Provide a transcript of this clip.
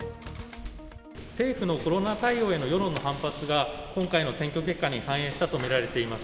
政府のコロナ対応への世論の反発が、今回の選挙結果に反映したと見られています。